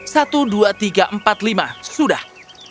satu dua tiga empat lima sudah